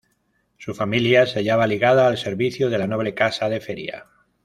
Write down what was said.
Su familia se hallaba ligada al servicio de la noble casa de Feria.